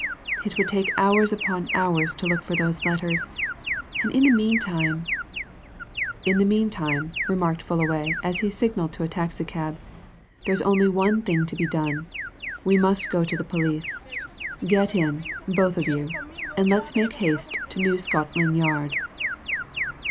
It would take hours upon hours to look for those letters, and in the meantime " "In the meantime," remarked Fullaway as he signalled to a taxi cab, "there's only one thing to be done. We must go to the police. Get in, both of you, and let's make haste to New Scotland Yard."